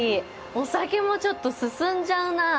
お酒もちょっと進んじゃうなあ。